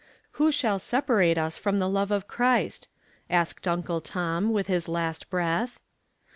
VII 'Who shall separate us from the love of Christ?' asked Uncle Tom, with his last breath.